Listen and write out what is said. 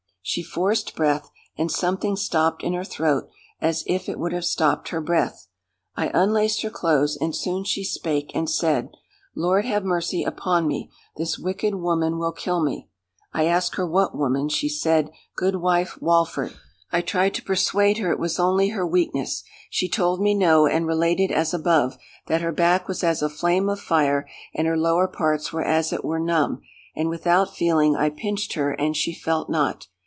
She forced breath, and something stopped in her throat as if it would have stopped her breath. I unlaced her clothes, and soon she spake and said, 'Lord, have mercy upon me, this wicked woman will kill me.' I asked her what woman? she said, Goodwife Walford. I tried to persuade her it was only her weakness. She told me no; and related as above, that her back was as a flame of fire, and her lower parts were as it were numb, and without feeling. I pinched her, and she felt not.